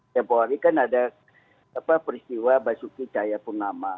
seperti kan ada peristiwa basuki cahaya purnama